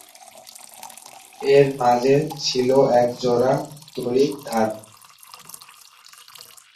এর মাঝে ছিলো এক জোড়া তড়িৎদ্বার।